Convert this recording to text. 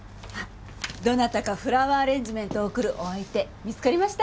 どなたかフラワーアレンジメントを贈るお相手見つかりました？